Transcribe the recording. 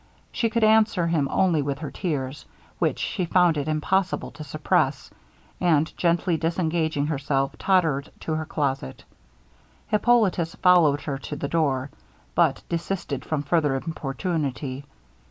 She could answer him only with her tears, which she found it impossible to suppress; and gently disengaging herself, tottered to her closet. Hippolitus followed her to the door, but desisted from further importunity.